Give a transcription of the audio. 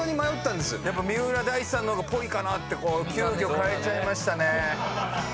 三浦大知さんの方がぽいかなって変えちゃいました。